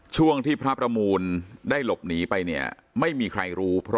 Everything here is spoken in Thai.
ช่วงที่พระประมูลได้หลบหนีไปเนี่ยไม่มีใครรู้เพราะ